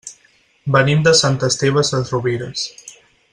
Venim de Sant Esteve Sesrovires.